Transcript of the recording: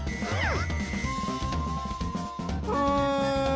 うん。